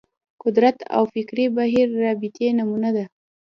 قدرت او فکري بهیر رابطې نمونه ده